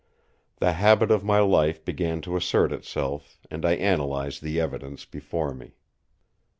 The habit of my life began to assert itself, and I analysed the evidence before me.